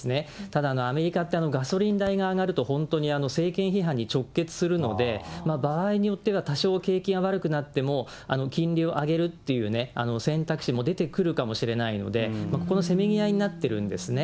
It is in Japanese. ただ、アメリカってガソリン代が上がると本当に政権批判に直結するので、場合によっては、多少景気が悪くなっても、金利を上げるっていう選択肢も出てくるかもしれないので、ここのせめぎ合いになってるんですね。